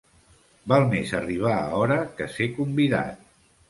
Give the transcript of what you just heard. Val més arribar a hora, que ser convidat.